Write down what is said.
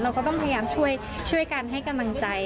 ก็ต้องพยายามช่วยกันให้กำลังใจ